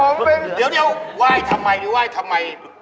ผมเป็นเดี๋ยวไหว้ทำไมหรือไหว้ทำไม